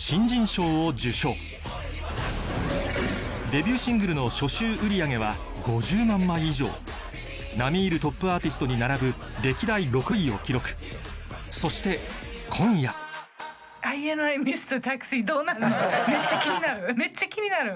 ・デビューシングルの初週売上は５０万枚以上並み居るトップアーティストに並ぶ歴代６位を記録そして今夜めっちゃ気になる！